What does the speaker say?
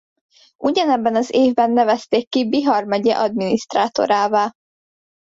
Ugyanebben az évben nevezték ki Bihar megye adminisztrátorává.